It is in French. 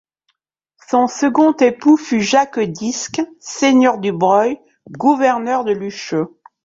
Son second époux fut Jacques d'Isques, seigneur du Breuil, gouverneur de Lucheux.